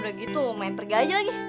udah gitu main pergi aja lagi